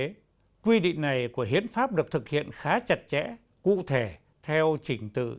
trên thực tế quy định này của hiến pháp được thực hiện khá chặt chẽ cụ thể theo chỉnh từ nhóm